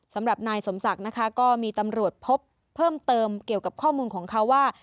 สำหรับนายสมศักดิ์นะคะก็มีตำรวจพบเพิ่มเติมเกี่ยวกับข้อมูลของเขาว่า